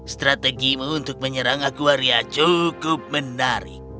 strategimu untuk menyerang aku arya cukup menarik